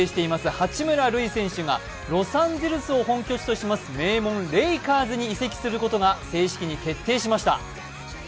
八村塁選手がロサンゼルスを本拠地とします名門、レイカーズに移籍することが正式に決定しました。